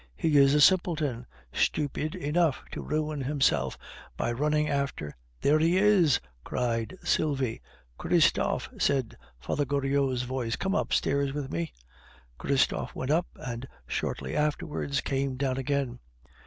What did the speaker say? He is a simpleton, stupid enough to ruin himself by running after " "There he is!" cried Sylvie. "Christophe," cried Father Goriot's voice, "come upstairs with me." Christophe went up, and shortly afterwards came down again.